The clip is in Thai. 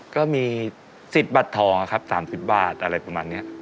ก็มีสิทธิ์บัตรทองครับ๓๐บาทอะไรประมาณนี้